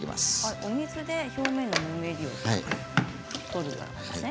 お水で表面のぬめりを取るんですね。